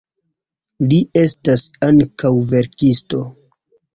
Li estas ankaŭ verkisto.